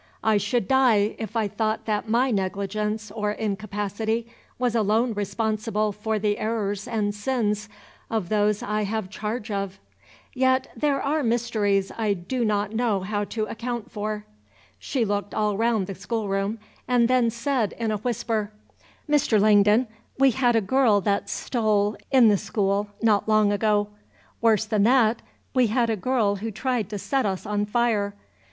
I should die, if I thought that my negligence or incapacity was alone responsible for the errors and sins of those I have charge of. Yet there are mysteries I do not know how to account for." She looked all round the schoolroom, and then said, in a whisper, "Mr. Langdon, we had a girl that stole, in the school, not long ago. Worse than that, we had a girl who tried to set us on fire.